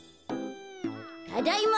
ただいま。